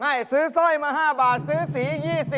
ไม่ซื้อสร้อยมา๕บาทซื้อสี๒๐บาท